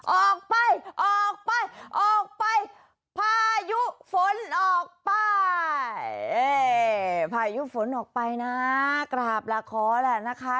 ออกไปออกไปพายุฝนออกไปพายุฝนออกไปนะกราบละขอแหละนะคะ